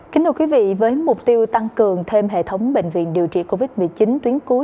kính thưa quý vị với mục tiêu tăng cường thêm hệ thống bệnh viện điều trị covid một mươi chín tuyến cuối